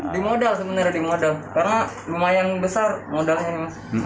di modal sebenarnya karena lumayan besar modalnya